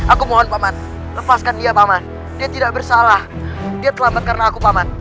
aku mohon paman lepaskan dia paman dia tidak bersalah dia terlambat karena aku paman